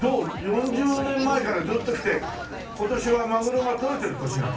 ４０年前からずっと来て今年はまぐろが取れてる年なの？